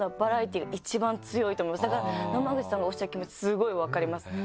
野間口さんがおっしゃる気持ちスゴい分かります。